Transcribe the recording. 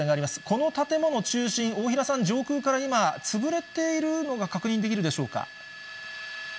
この建物中心、大平さん、上空から今、潰れているのが確認できるでしょうか。